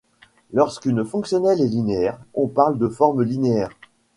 Lorsqu'une fonctionnelle est linéaire, on parle de forme linéaire.